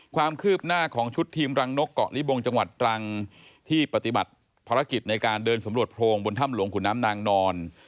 ความคืบหน้าของชุดทีมรังนกเกาะลิบงจังหวัดตรังที่ปฏิบัติภารกิจในการเดินสำรวจโพรงบนถ้ำหลวงขุนน้ำนางนอน